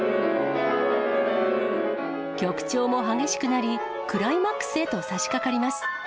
曲調も激しくなり、クライマックスへとさしかかります。